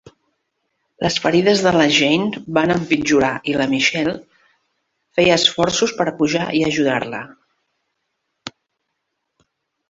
Les ferides de la Jane van empitjorar i la Michelle feia esforços per pujar i ajudar-la.